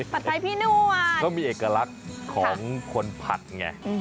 ไทยพี่นัวเขามีเอกลักษณ์ของคนผัดไง